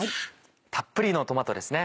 たっぷりのトマトですね。